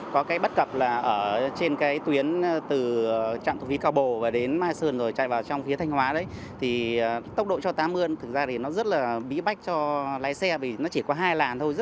có cái bất cập là ở trên cái tuyến từ trạm thu phí cao bồ và đến mai sơn rồi chạy vào trong phía thanh hóa đấy thì tốc độ cho tám mươi thực ra thì nó rất là bí bách cho lái xe vì nó chỉ có hai làn thôi